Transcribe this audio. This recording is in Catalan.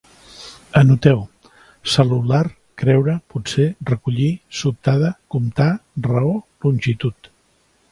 Anoteu: cel·lular, creure, potser, recollir, sobtada, comptar, raó, longitud